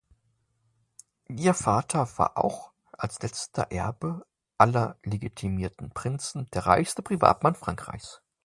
Ihr Vater war auch als letzter Erbe aller legitimierten Prinzen der reichste Privatmann Frankreichs.